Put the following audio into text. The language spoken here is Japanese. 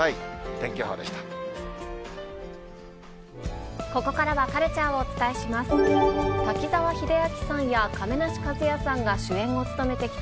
天気予報でした。